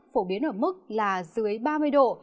phổ biến ở mức là dưới ba mươi độ